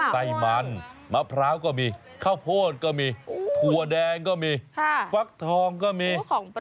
ไส้มันมะพร้าวก็มีข้าวโพดก็มีถั่วแดงก็มีฟักทองก็มี